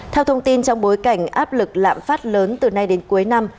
theo thông tin trong bối cảnh áp lực lạm phát lớn từ nay đến cuối năm